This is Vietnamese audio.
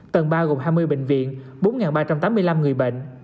tầng ba gồm hai mươi bệnh viện bốn ba trăm tám mươi năm người bệnh